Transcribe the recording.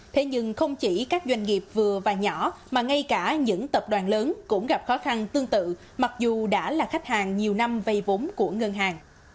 thế nhưng không chỉ các doanh nghiệp vừa và nhỏ mà ngay cả những tập đoàn lớn cũng gặp khó khăn tương tự mặc dù đã là khách hàng nhiều năm vay vốn của ngân hàng